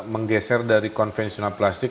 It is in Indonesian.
menggeser dari konvensional plastik